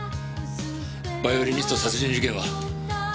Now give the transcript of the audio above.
バイオリニスト殺人事件は？